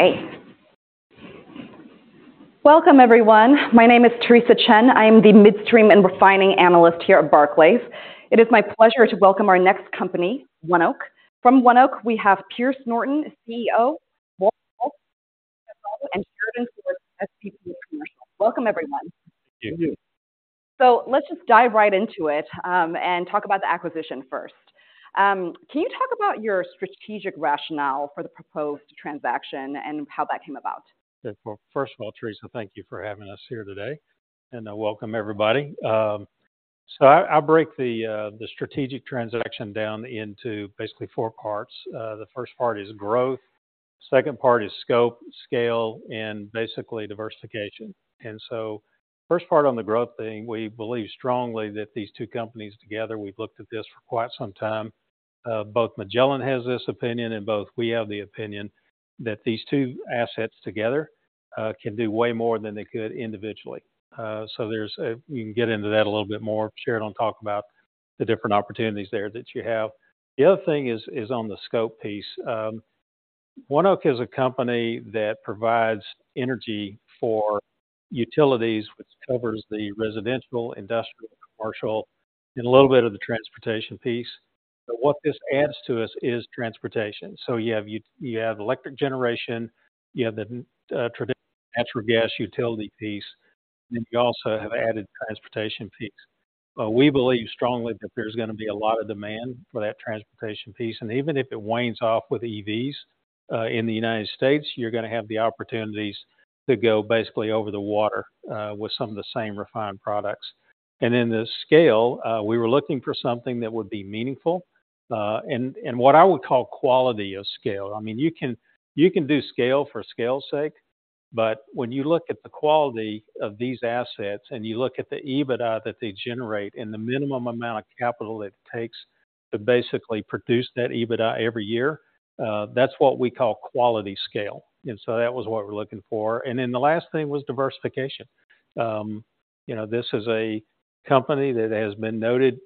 Hey. Welcome, everyone. My name is Theresa Chen. I am the midstream and Refining Analyst here at Barclays. It is my pleasure to welcome our next company, ONEOK. From ONEOK, we have Pierce Norton, CEO, Walter Hulse, CFO, and Sheridan Swords, SVP Commercial. Welcome, everyone. Thank you. So let's jt dive right into it, and talk about the acquisition first. Can you talk about your strategic rationale for the proposed transaction and how that came about? Well, first of all, Theresa, thank you for having us here today, and welcome, everybody. So I'll break the strategic transaction down into basically four parts. The first part is growth, second part is scope, scale, and basically diversification. And so first part on the growth thing, we believe strongly that these two companies together, we've looked at this for quite some time. Both Magellan has this opinion, and both we have the opinion that these two assets together can do way more than they could individually. So there's a-- we can get into that a little bit more. Sheridan will talk about the different opportunities there that you have. The other thing is on the scope piece. ONEOK is a company that provides energy for utilities, which covers the residential, industrial, commercial, and a little bit of the transportation piece. But what this adds to us is transportation. So you have you have electric generation, you have the traditional natural gas utility piece, and you also have added transportation piece. We believe strongly that there's gonna be a lot of demand for that transportation piece, and even if it wanes off with EVs, in the United States, you're gonna have the opportunities to go basically over the water, with some of the same refined products. And then the scale, we were looking for something that would be meaningful, and, and what I would call quality of scale. I mean, you can, you can do scale for scale's sake, but when you look at the quality of these assets, and you look at the EBITDA that they generate, and the minimum amount of capital it takes to basically produce that EBITDA every, that's what we call quality scale, and so that was what we're looking for. And then the last thing was diversification. This is a company that has been noted,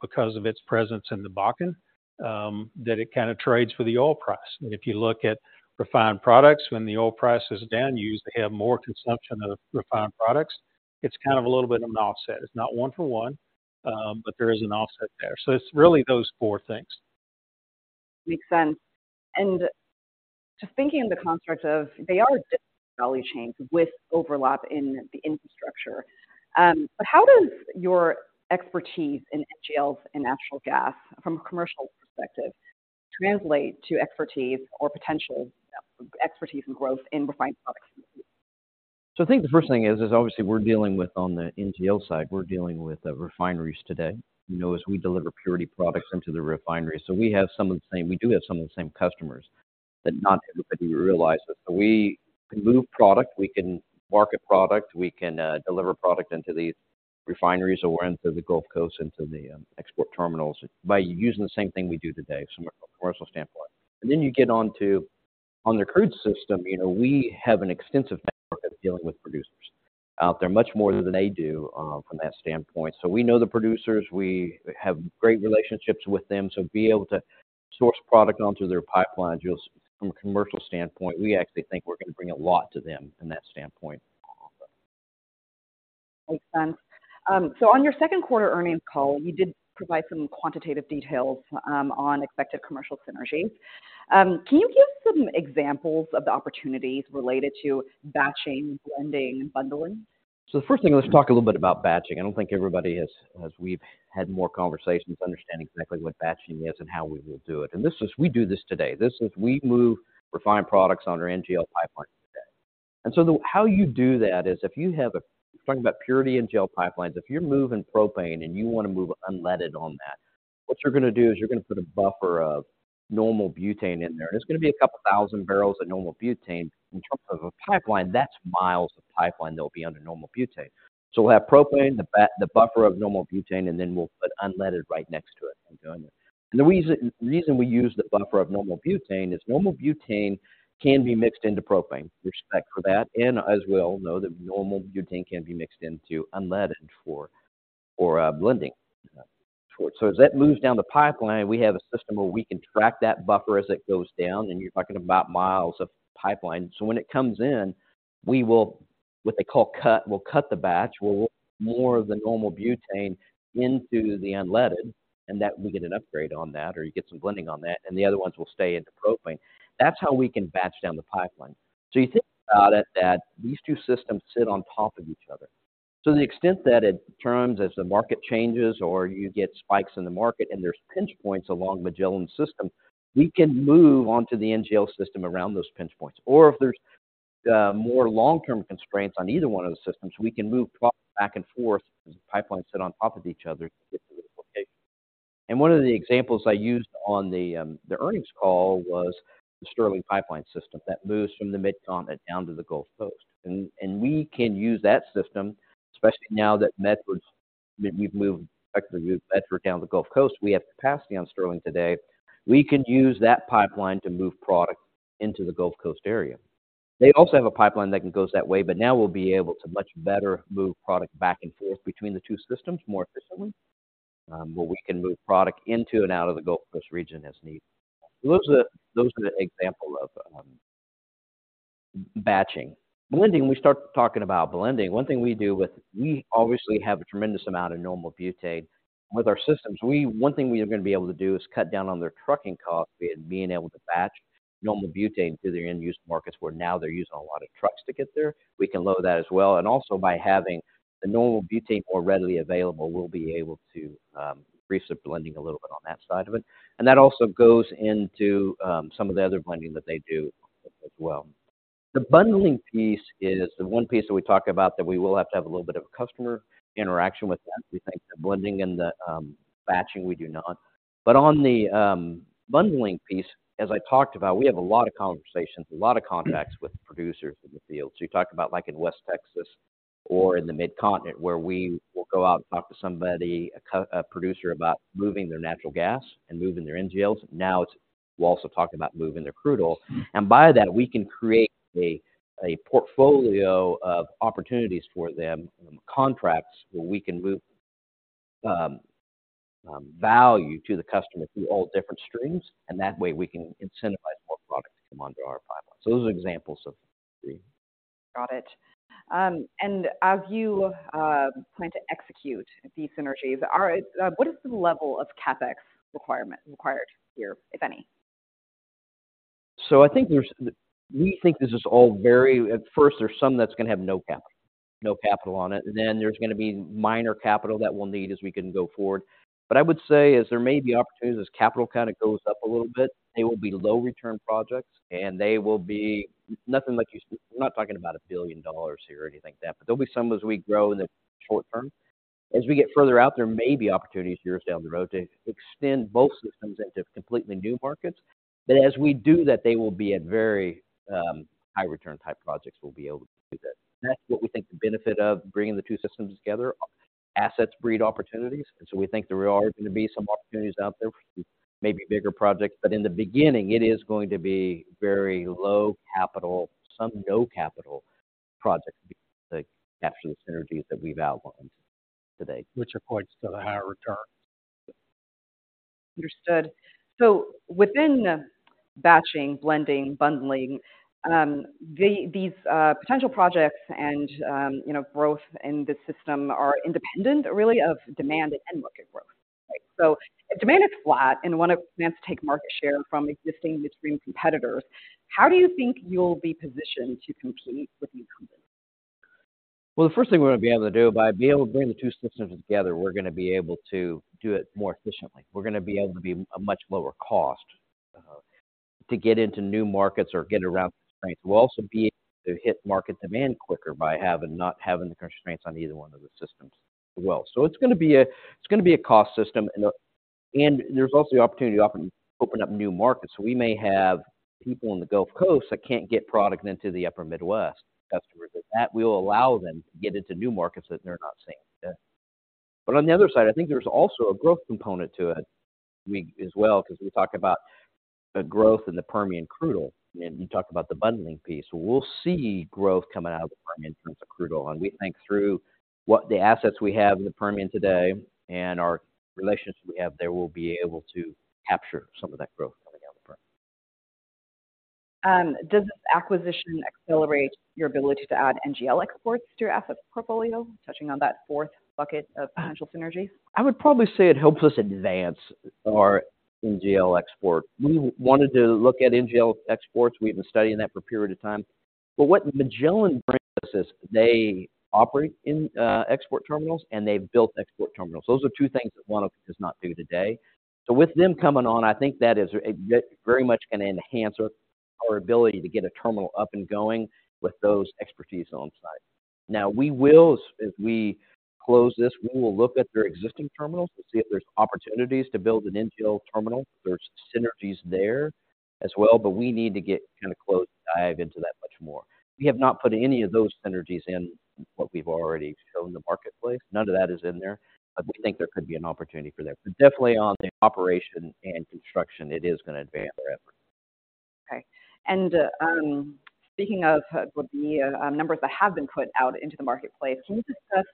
because of its presence in the Bakken, that it kind of trades for the oil price. And if you look at refined products, when the oil price is down, you usually have more consumption of refined products. It's kind of a little bit of an offset. It's not one for one, but there is an offset there. So it's really those four things. Makes sense. Just thinking in the construct of they are different value chains with overlap in the infrastructure, but how does your expertise in NGLs and natural gas from a commercial perspective translate to expertise or potential expertise and growth in refined products? So I think the first thing is, obviously we're dealing with... On the NGL side, we're dealing with refineries today, as we deliver purity products into the refinery. So we have some of the same—we do have some of the same customers that not everybody realizes. So we can move product, we can market product, we can deliver product into these refineries or into the Gulf Coast, into the export terminals by using the same thing we do today from a commercial standpoint. And then you get on to—on the crude system, we have an extensive network of dealing with producers out there, much more than they do from that standpoint. So we know the producers. We have great relationships with them. Being able to source product onto their pipelines, just from a commercial standpoint, we actually think we're gonna bring a lot to them from that standpoint. Makes sense. So on your second earnings call, you did provide some quantitative details on expected commercial synergies. Can you give some examples of the opportunities related to batching, blending, and bundling? So the first thing, let's talk a little bit about batching. I don't think everybody has, as we've had more conversations, understanding exactly what batching is and how we will do it. This is—we do this today. This is we move refined products on our NGL pipeline today. So the—how you do that is if you have a. We're talking about purity NGL pipelines. If you're moving propane and you want to move unleaded on that, what you're gonna do is you're gonna put a buffer of normal butane in there, and it's gonna be 2,000 barrels of normal butane. In terms of a pipeline, that's miles of pipeline that will be under normal butane. So we'll have propane, the buffer of normal butane, and then we'll put unleaded right next to it and doing it. The reason we use the buffer of normal butane is normal butane can be mixed into propane, which is back for that, and as we all know, the normal butane can be mixed into unleaded for blending. So as that moves down the pipeline, we have a system where we can track that buffer as it goes down, and you're talking about miles of pipeline. So when it comes in, we will, what they call cut, we'll cut the batch. We'll work more of the normal butane into the unleaded, and that we get an upgrade on that, or you get some blending on that, and the other ones will stay in the propane. That's how we can batch down the pipeline. So you think about it, that these two systems sit on top of each other. So to the extent that at times as the market changes or you get spikes in the market and there's pinch points along Magellan system, we can move onto the NGL system around those pinch points. Or if there's more long-term constraints on either one of those systems, we can move product back and forth as the pipelines sit on top of each other to get to the location. And one of the examples I used on the earnings call was the Sterling Pipeline system that moves from the Mid-Continent down to the Gulf Coast. And, and we can use that system, especially now that Medford's—we've moved Medford down to the Gulf Coast. We have capacity on Sterling today. We can use that pipeline to move product into the Gulf Coast area. They also have a pipeline that can go that way, but now we'll be able to much better move product back and forth between the two systems more efficiently, where we can move product into and out of the Gulf Coast region as needed. Those are an example of batching. Blending, we start talking about blending. One thing we do with, we obviously have a tremendous amount of normal butane. With our systems, we, one thing we are going to be able to do is cut down on their trucking costs and being able to batch normal butane to their end use markets, where now they're using a lot of trucks to get there. We can load that as well, and also by having the normal butane more readily available, we'll be able to increase the blending a little bit on that side of it. That also goes into some of the other blending that they do as well. The bundling piece is the one piece that we talk about that we will have to have a little bit of a customer interaction with them. We think the blending and the batching, we do not. But on the bundling piece, as I talked about, we have a lot of conversations, a lot of contacts with producers in the field. So you talk about, like, in West Texas or in the Mid-Continent, where we will go out and talk to somebody, a producer, about moving their natural gas and moving their NGLs. Now, it's we're also talking about moving their crude oil. And by that, we can create a portfolio of opportunities for them, contracts, where we can move value to the customer through all different streams, and that way we can incentivize more product to come onto our pipeline. So those are examples of the- Got it. And as you plan to execute these synergies, what is the level of CapEx requirement required here, if any? So we think this is all very. At first, there's some that's gonna have no capital, no capital on it, and then there's gonna be minor capital that we'll need as we can go forward. But I would say there may be opportunities as capital kind of goes up a little bit. They will be low-return projects, and they will be nothing like you. We're not talking about $1 billion here or anything like that, but there'll be some as we grow in the short term. As we get further out, there may be opportunities years down the road to extend both systems into completely new markets. But as we do that, they will be at very high-return type projects we'll be able to do that. That's what we think the benefit of bringing the two systems together. Assets breed opportunities, and so we think there are going to be some opportunities out there for maybe bigger projects. But in the beginning, it is going to be very low capital, some no-capital projects to capture the synergies that we've outlined today. Which equates to the higher return. Understood. So within Batching, Blending, Bundling, these potential projects and, growth in the system are independent, really, of demand and end market growth, right? So if demand is flat and want to commence to take market share from existing Midstream competitors, how do you think you'll be positioned to compete with these companies? Well, the first thing we're gonna be able to do, by being able to bring the two systems together, we're gonna be able to do it more efficiently. We're gonna be able to be a much lower cost to get into new markets or get around constraints. We'll also be able to hit market demand quicker by having, not having the constraints on either one of the systems as well. So it's gonna be a cost system, and there's also the opportunity to open up new markets. So we may have people in the Gulf Coast that can't get product into the Upper Midwest customers, that will allow them to get into new markets that they're not seeing today. But on the other side, I think there's also a growth component to it we as well, because we talked about the growth in the Permian crude oil, and you talked about the bundling piece. We'll see growth coming out of the Permian in terms of crude oil. And we think through what the assets we have in the Permian today and our relationships we have there, we'll be able to capture some of that growth coming out of the Permian. Does this acquisition accelerate your ability to add NGL exports to your asset portfolio, touching on that fourth bucket of potential synergies? I would probably say it helps us advance our NGL export. We wanted to look at NGL exports. We've been studying that for a period of time. But what Magellan brings us is, they operate in export terminals, and they've built export terminals. Those are two things that ONEOK does not do today. So with them coming on, I think that is very much going to enhance our, our ability to get a terminal up and going with those expertise on site. Now, we will, as, as we close this, we will look at their existing terminals to see if there's opportunities to build an NGL terminal. There's synergies there as well, but we need to get kind of close to dive into that much more. We have not put any of those synergies in what we've already shown the marketplace. None of that is in there, but we think there could be an opportunity for that. But definitely on the operation and construction, it is gonna advance our efforts. Okay. Speaking of the numbers that have been put out into the marketplace, can you discuss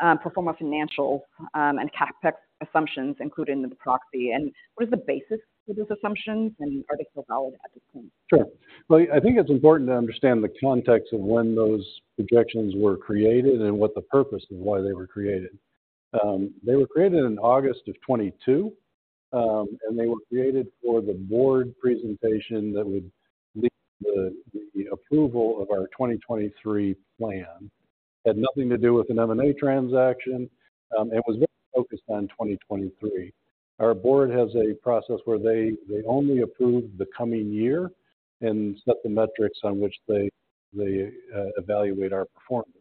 the pro forma financial and CapEx assumptions included in the proxy? And what is the basis for those assumptions, and are they still valid at this point? Sure. Well, I think it's important to understand the context of when those projections were created and what the purpose of why they were created. They were created in August of 2022, and they were created for the board presentation that would lead to the approval of our 2023 plan. It had nothing to do with an M&A transaction, and was very focused on 2023. Our board has a process where they only approve the coming year and set the metrics on which they evaluate our performance.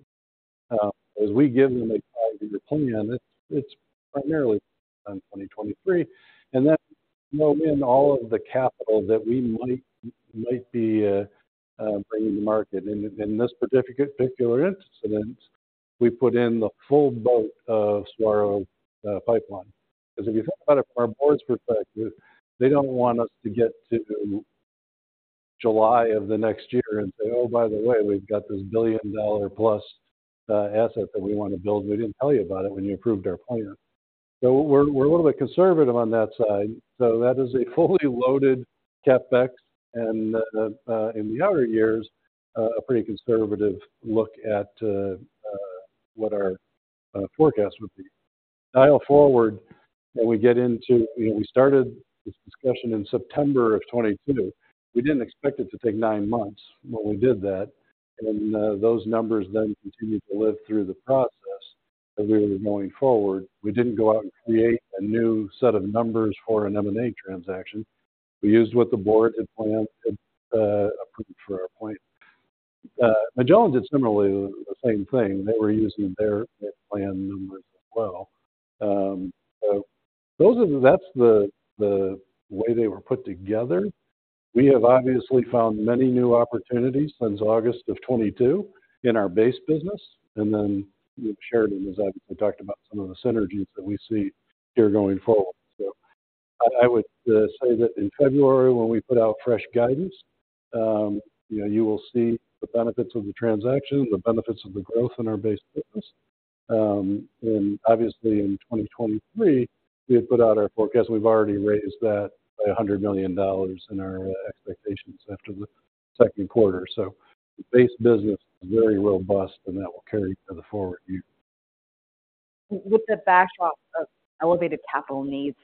As we give them a quality opinion, it's primarily on 2023, and that's when all of the capital that we might be bringing to market. And in this particular incident, we put in the full boat of Saguaro pipeline. Because if you think about it from our board's perspective, they don't want us to get to July of the next year and say: "Oh, by the way, we've got this $1 billion-plus asset that we want to build. We didn't tell you about it when you approved our plan." So we're a little bit conservative on that side. So that is a fully loaded CapEx, and in the outer years, a pretty conservative look at what our forecast would be. Dial forward, when we get into, we started this discussion in September of 2020. We didn't expect it to take nine months, but we did that. And those numbers then continued to live through the process as we were moving forward. We didn't go out and create a new set of numbers for an M&A transaction. We used what the board had planned, approved for our plan. Magellan did similarly the same thing. They were using their planned numbers as well. So those are the-- that's the way they were put together. We have obviously found many new opportunities since August 2022 in our base business, and then Sheridan, as I've talked about, some of the synergies that we see here going forward. So I would say that in February, when we put out fresh guidance, you will see the benefits of the transaction, the benefits of the growth in our base business. And obviously in 2023, we had put out our forecast. We've already raised that by $100 million in our expectations after the Q2. The base business is very robust, and that will carry to the forward view. With the backdrop of elevated capital needs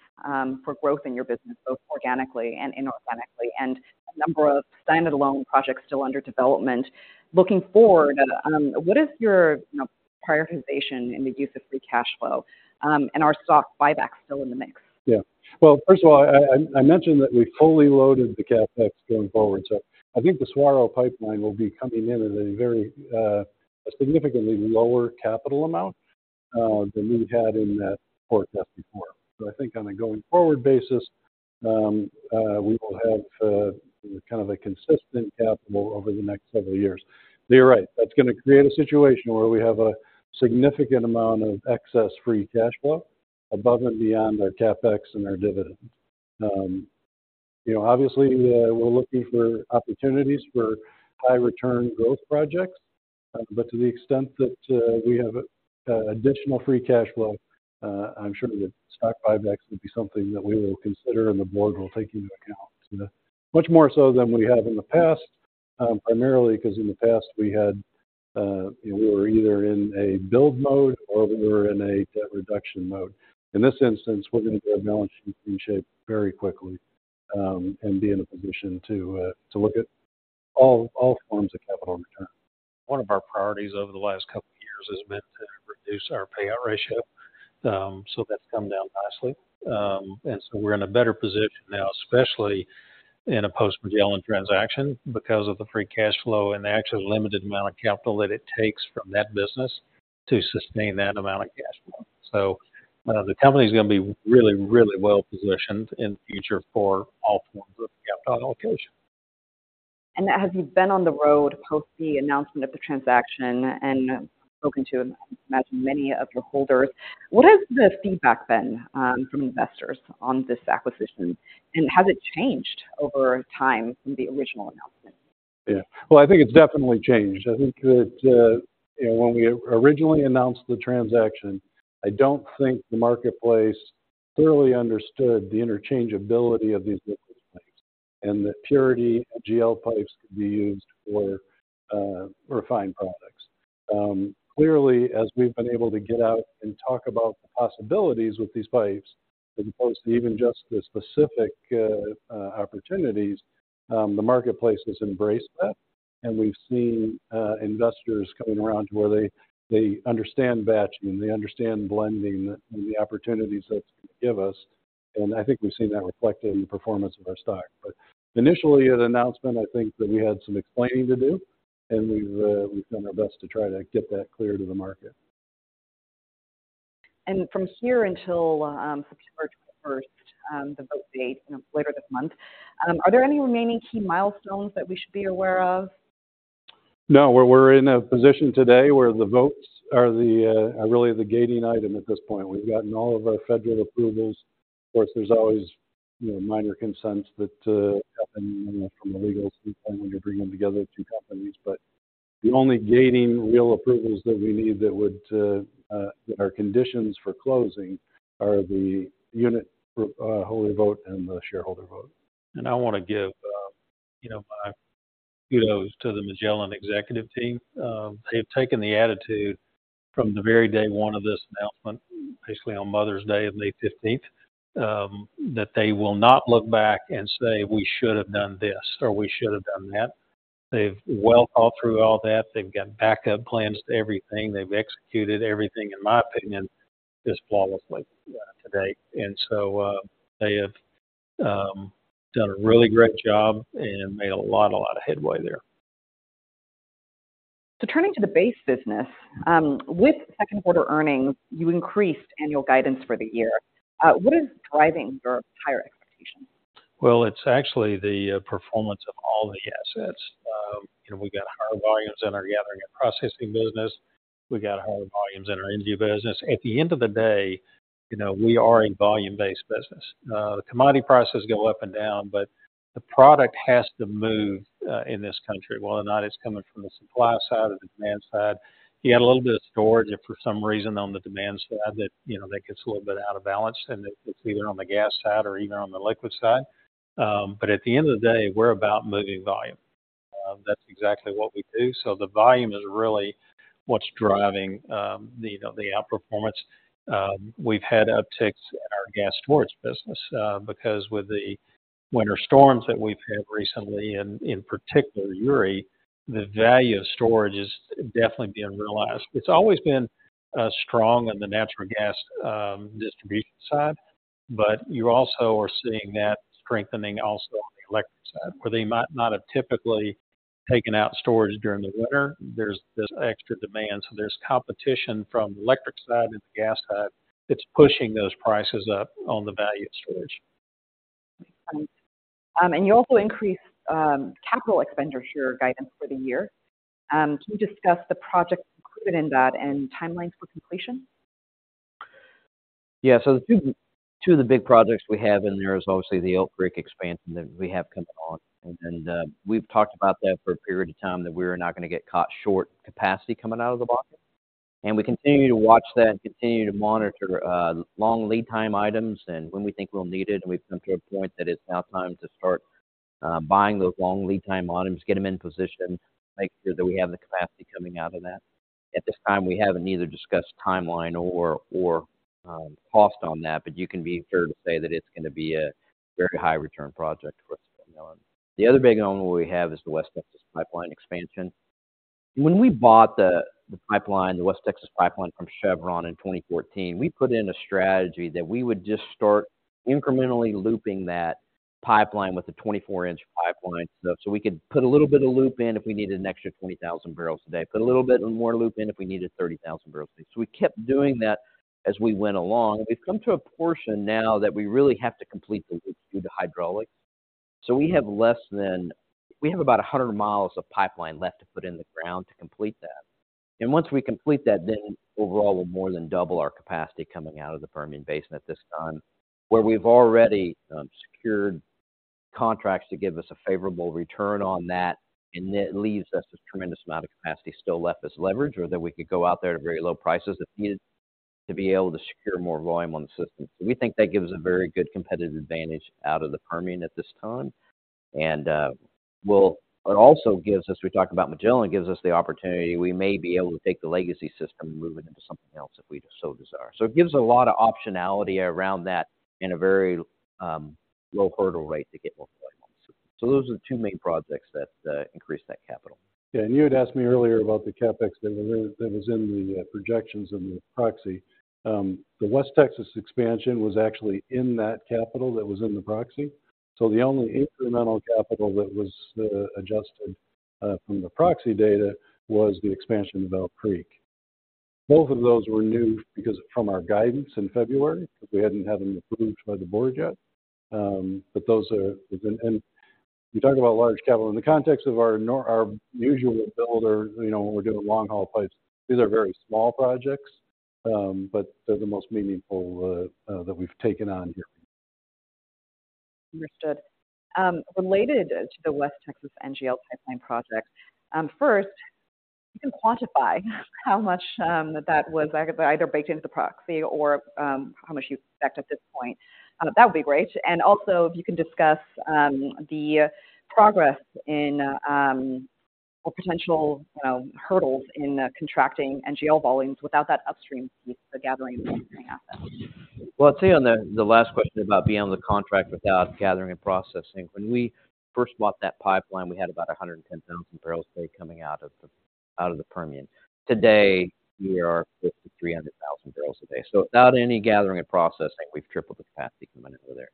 for growth in your business, both organically and inorganically, and a number of standalone projects still under development, looking forward, what is your, prioritization in the use of free cash flow? And are stock buybacks still in the mix? Yeah. Well, first of all, I mentioned that we fully loaded the CapEx going forward, so I think the Saguaro pipeline will be coming in at a very, a significantly lower capital amount, than we had in that forecast before. So I think on a going-forward basis, we will have, kind of a consistent capital over the next several years. But you're right. That's going to create a situation where we have a significant amount of excess free cash flow above and beyond our CapEx and our dividend. Obviously, we're looking for opportunities for high-return growth projects, but to the extent that, we have, additional free cash flow, I'm sure the stock buybacks would be something that we will consider and the board will take into account. Much more so than we have in the past, primarily because in the past we had, we were either in a build mode or we were in a debt reduction mode. In this instance, we're going to be a balancing shape very quickly, and be in a position to, to look at all, all forms of capital return. One of our priorities over the last couple of years has been to reduce our payout ratio. So that's come down nicely. And so we're in a better position now, especially in a post-Magellan transaction, because of the free cash flow and the actual limited amount of capital that it takes from that business to sustain that amount of cash flow. So, the company is going to be really, really well positioned in the future for all forms of capital allocation. As you've been on the road post the announcement of the transaction and spoken to, I imagine, many of your holders, what has the feedback been from investors on this acquisition, and has it changed over time from the original announcement? Yeah. Well, I think it's definitely changed. I think that, when we originally announced the transaction, I don't think the marketplace clearly understood the interchangeability of these business lines and that purity NGL pipes could be used for refined products. Clearly, as we've been able to get out and talk about the possibilities with these pipes, as opposed to even just the specific opportunities, the marketplace has embraced that, and we've seen investors coming around to where they understand batching, they understand blending, and the opportunities that's give us, and I think we've seen that reflected in the performance of our stock. But initially, at announcement, I think that we had some explaining to do, and we've done our best to try to get that clear to the market. From here until February 21st, the vote date, later this month, are there any remaining key milestones that we should be aware of? No, we're in a position today where the votes are really the gating item at this point. We've gotten all of our federal approvals. Of course, there's always, minor consents that happen, from a legal standpoint when you're bringing together two companies. But the only gating real approvals that we need that are conditions for closing are the unit holder vote and the shareholder vote. I want to give, my kudos to the Magellan executive team. They have taken the attitude from the very day one of this announcement, basically on Mother's Day of May 15, that they will not look back and say: "We should have done this," or, "We should have done that." They've well thought through all that. They've got backup plans to everything. They've executed everything, in my opinion, just flawlessly, to date. And so, they have done a really great job and made a lot, a lot of headway there. Turning to the base business, with Q2 earnings, you increased annual guidance for the year. What is driving your higher expectations? Well, it's actually the performance of all the assets. We've got higher volumes in our gathering and processing business. We've got higher volumes in our NGL business. At the end of the day, we are a volume-based business. The commodity prices go up and down, but the product has to move in this country, whether or not it's coming from the supply side or the demand side. You add a little bit of storage, if for some reason on the demand side, that gets a little bit out of balance, then it, it's either on the gas side or even on the liquid side. But at the end of the day, we're about moving volume. That's exactly what we do. So the volume is really what's driving the outperformance. We've had upticks in our gas storage business, because with the winter storms that we've had recently, and in particular, Uri, the value of storage is definitely being realized. It's always been strong in the natural gas distribution side, but you also are seeing that strengthening also on the electric side, where they might not have typically taken out storage during the winter. There's this extra demand, so there's competition from the electric side and the gas side that's pushing those prices up on the value of storage. You also increased capital expenditures guidance for the year. Can you discuss the projects included in that and timelines for completion? Yeah. So two of the big projects we have in there is obviously the Elk Creek expansion that we have coming on, and we've talked about that for a period of time, that we're not going to get caught short capacity coming out of the Bakken. We continue to watch that and continue to monitor long lead time items. And when we think we'll need it, we've come to a point that it's now time to start buying those long lead time items, get them in position, make sure that we have the capacity coming out of that. At this time, we haven't either discussed timeline or cost on that, but you can be fair to say that it's going to be a very high return project for us at Magellan. The other big one we have is the West Texas pipeline expansion. When we bought the, the pipeline, the West Texas pipeline from Chevron in 2014, we put in a strategy that we would just start incrementally looping that pipeline with a 24-inch pipeline, so, so we could put a little bit of loop in if we needed an extra 20,000 barrels a day, put a little bit more loop in if we needed 30,000 barrels a day. So we kept doing that as we went along, and we've come to a portion now that we really have to completely do the hydraulic. So we have less than. We have about 100 miles of pipeline left to put in the ground to complete that. Once we complete that, then overall, we'll more than double our capacity coming out of the Permian Basin at this time, where we've already secured contracts to give us a favorable return on that. And it leaves us with tremendous amount of capacity still left as leverage, or that we could go out there at very low prices if needed, to be able to secure more volume on the system. So we think that gives us a very good competitive advantage out of the Permian at this time. And, well, it also gives us, we talk about Magellan, gives us the opportunity, we may be able to take the legacy system and move it into something else if we so desire. So it gives us a lot of optionality around that in a very low hurdle rate to get more volume on the system. So those are the two main projects that increase that capital. Yeah, and you had asked me earlier about the CapEx that was in the projections in the proxy. The West Texas expansion was actually in that capital that was in the proxy. So the only incremental capital that was adjusted from the proxy data was the expansion of Elk Creek. Both of those were new because from our guidance in February, because we hadn't had them approved by the board yet. But those are... And we talk about large capital in the context of our usual build or, when we're doing long-haul pipes, these are very small projects, but they're the most meaningful that we've taken on here. Understood. Related to the West Texas NGL pipeline project, first, you can quantify how much that was either baked into the proxy or how much you expect at this point. That would be great. And also, if you can discuss the progress in or potential, hurdles in contracting NGL volumes without that upstream piece, the gathering and assets. Well, I'd say on the, the last question about being able to contract without gathering and processing, when we first bought that pipeline, we had about 110,000 barrels a day coming out of the, out of the Permian. Today, we are close to 300,000 barrels a day. So without any gathering and processing, we've tripled the capacity coming in over there.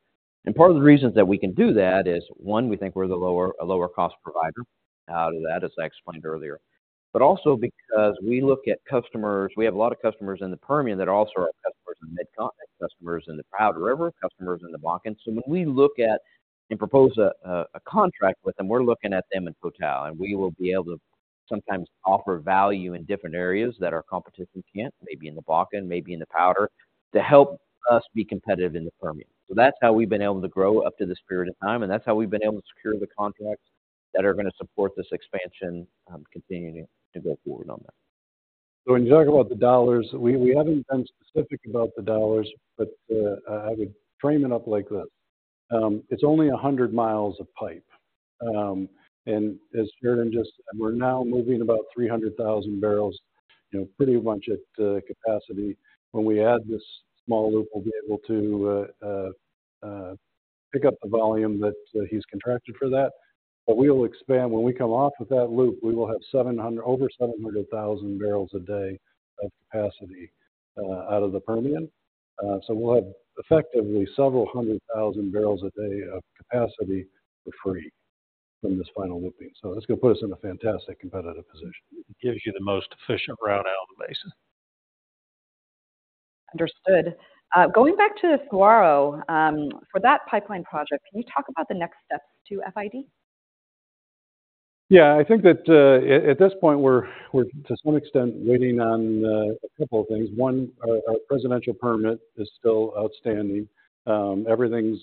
And part of the reasons that we can do that is, one, we think we're the lower-- a lower-cost provider out of that, as I explained earlier, but also because we look at customers-- We have a lot of customers in the Permian that are also our customers in Mid-Continent, customers in the Powder River, customers in the Bakken. So when we look at and propose a contract with them, we're looking at them in total, and we will be able to sometimes offer value in different areas that our competitors can't, maybe in the Bakken, maybe in the Powder, to help us be competitive in the Permian. So that's how we've been able to grow up to this period of time, and that's how we've been able to secure the contracts that are going to support this expansion, continuing to go forward on that. So when you talk about the dollars, we haven't been specific about the dollars, but I would frame it up like this: It's only 100 miles of pipe. And as Sheridan just— And we're now moving about 300,000 barrels, pretty much at capacity. When we add this small loop, we'll be able to pick up the volume that he's contracted for that. But we will expand. When we come off with that loop, we will have 700— over 700,000 barrels a day of capacity out of the Permian. So we'll have effectively several hundred thousand barrels a day of capacity for free from this final looping. So it's going to put us in a fantastic competitive position. It gives you the most efficient route out of the basin. Understood. Going back to Saguaro, for that pipeline project, can you talk about the next steps to FID? Yeah, I think that at this point we're to some extent waiting on a couple of things. One, our presidential permit is still outstanding. Everything's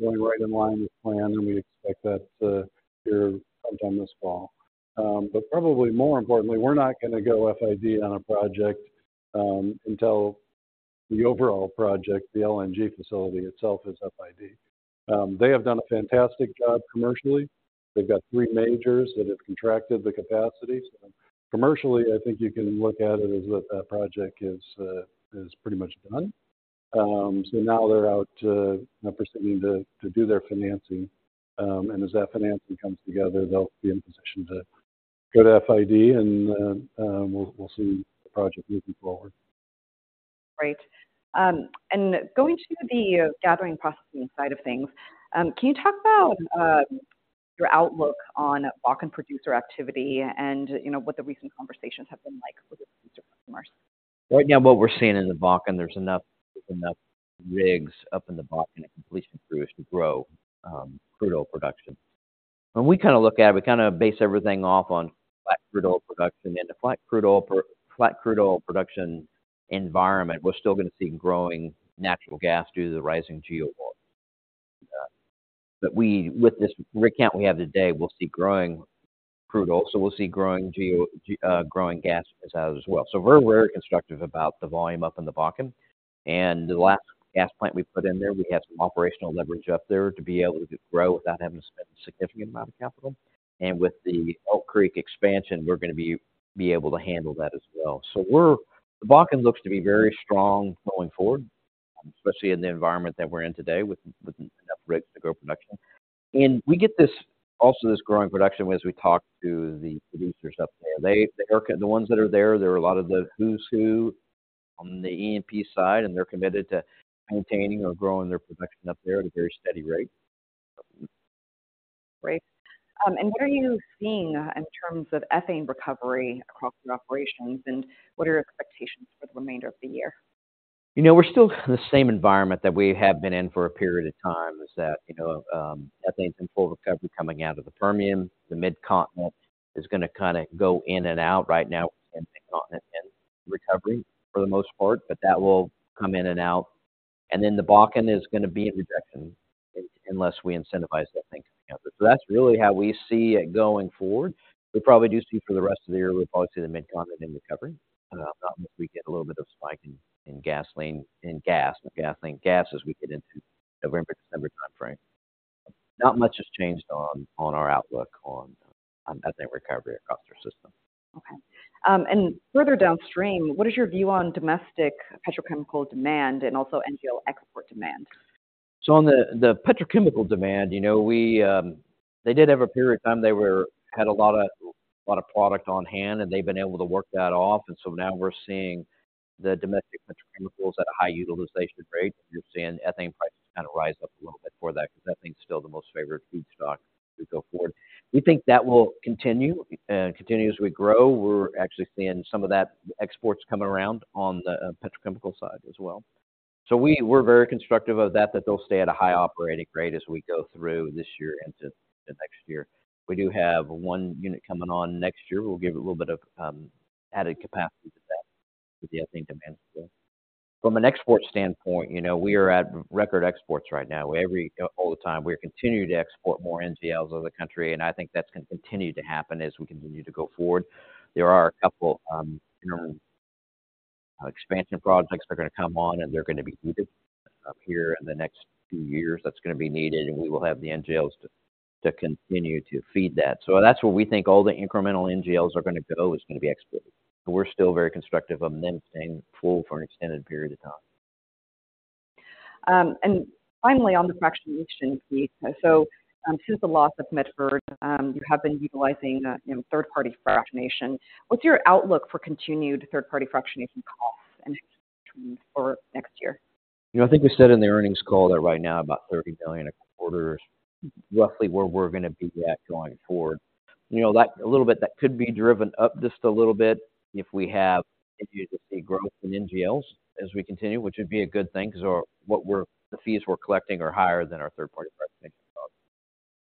going right in line with plan, and we expect that to hear sometime this fall. But probably more importantly, we're not gonna go FID on a project until the overall project, the LNG facility itself, is FID. They have done a fantastic job commercially. They've got three majors that have contracted the capacity. Commercially, I think you can look at it as that that project is pretty much done. So now they're out proceeding to do their financing, and as that financing comes together, they'll be in position to go to FID and we'll see the project moving forward. Great. And going to the gathering processing side of things, can you talk about your outlook on Bakken producer activity and, what the recent conversations have been like with your customers? Right now, what we're seeing in the Bakken, there's enough rigs up in the Bakken and completion crews to grow crude oil production. When we kind of look at it, we kind of base everything off on flat crude oil production. In a flat crude oil production environment, we're still gonna see growing natural gas due to the rising NGL. But with this rig count we have today, we'll see growing crude oil, so we'll see growing NGL, growing gas as well. So we're very constructive about the volume up in the Bakken and the last gas plant we put in there, we have some operational leverage up there to be able to grow without having to spend a significant amount of capital. And with the Elk Creek expansion, we're gonna be able to handle that as well. So, the Bakken looks to be very strong going forward, especially in the environment that we're in today, with enough rigs to grow production. And we get this, also this growing production as we talk to the producers up there. They, the ones that are there, are a lot of the who's who on the E&P side, and they're committed to maintaining or growing their production up there at a very steady rate. Great. And what are you seeing in terms of ethane recovery across your operations, and what are your expectations for the remainder of the year? We're still in the same environment that we have been in for a period of time, is that, ethane is in full recovery coming out of the Permian. The Mid-Continent is gonna kind of go in and out. Right now, we're in Mid-Continent in recovery for the most part, but that will come in and out. And then the Bakken is gonna be in rejection unless we incentivize ethane coming out. So that's really how we see it going forward. We probably do see for the rest of the year, we'll probably see the Mid-Continent in recovery. Not if we get a little bit of spike in gasoline, in gas, not gasoline, gas as we get into November, December timeframe. Not much has changed on our outlook on ethane recovery across our system. Okay. Further downstream, what is your view on domestic petrochemical demand and also NGL export demand? So on the petrochemical demand, we, They did have a period of time, they had a lot of product on hand, and they've been able to work that off, and so now we're seeing the domestic petrochemicals at a high utilization rate. You're seeing ethane prices kind of rise up a little bit for that, because ethane is still the most favorite feedstock as we go forward. We think that will continue, continue as we grow. We're actually seeing some of that exports come around on the petrochemical side as well. So we're very constructive of that, that they'll stay at a high operating rate as we go through this year into the next year. We do have one unit coming on next year. We'll give it a little bit of added capacity to that, with the ethane demand. From an export standpoint, we are at record exports right now. All the time, we're continuing to export more NGLs out of the country, and I think that's going to continue to happen as we continue to go forward. There are a couple expansion projects that are gonna come on, and they're going to be needed up here in the next few years. That's gonna be needed, and we will have the NGLs to continue to feed that. So that's where we think all the incremental NGLs are gonna go, is gonna be exported. We're still very constructive of them staying full for an extended period of time. Finally, on the fractionation piece. Since the loss of Medford, you have been utilizing third-party fractionation. What's your outlook for continued third-party fractionation costs and for next year? I think we said in the earnings call that right now, about $30 million a quarter is roughly where we're gonna be at going forward. That a little bit could be driven up just a little bit if we have continued to see growth in NGLs as we continue, which would be a good thing because the fees we're collecting are higher than our third-party fractionation costs.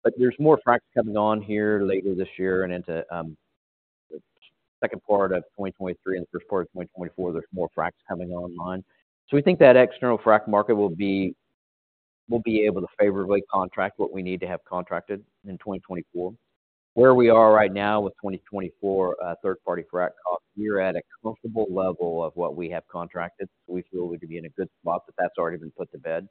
But there's more fracs coming on here later this year and into Q2 of 2023 and Q1 of 2024, there's more fracs coming online. So we think that external frac market will be, we'll be able to favorably contract what we need to have contracted in 2024. Where we are right now with 2024 third-party frac cost, we are at a comfortable level of what we have contracted, so we feel we could be in a good spot, but that's already been put to bed.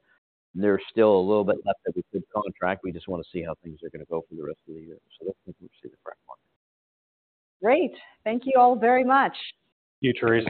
There's still a little bit left that we could contract. We just want to see how things are gonna go for the rest of the year. So that's where we see the frac market. Great. Thank you all very much. Thank you, Theresa.